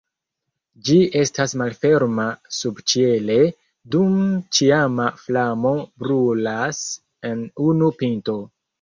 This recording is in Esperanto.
Ĝi estas malferma subĉiele dum ĉiama flamo brulas en unu pinto.